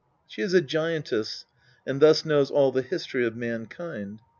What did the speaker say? She is a giantess, and thus knows all the history of mankind.